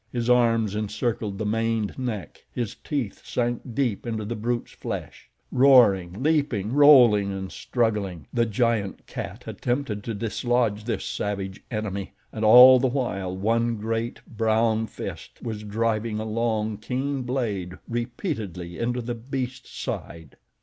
His arms encircled the maned neck, his teeth sank deep into the brute's flesh. Roaring, leaping, rolling and struggling, the giant cat attempted to dislodge this savage enemy, and all the while one great, brown fist was driving a long keen blade repeatedly into the beast's side.